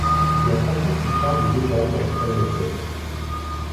Il y a sans doute une part de légende dans cette anecdote.